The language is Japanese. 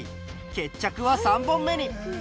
決着は３本目に。